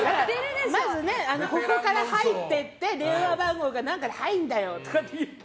まず、ここから入ってって電話番号がないんだよとか言って。